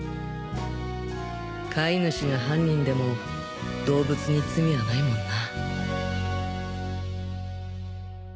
飼い主が犯人でも動物に罪はないもんな。